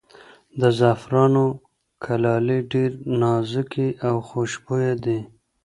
د زعفرانو کلالې ډېرې نازکې او خوشبویه دي.